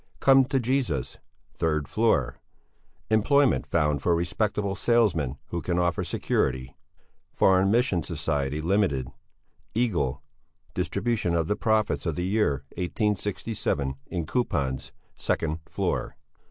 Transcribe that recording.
Come to Jesus, third floor. Employment found for respectable salesmen who can offer security. Foreign Missions Society, Ltd., Eagle, distribution of the profits of the year 1867 in coupons, second floor.